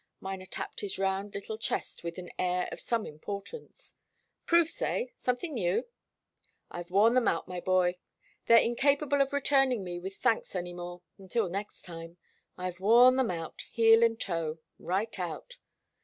Miner tapped his round little chest with an air of some importance. "Proofs, eh? Something new?" "I've worn them out, my boy. They're incapable of returning me with thanks any more until next time. I've worn them out, heel and toe, right out."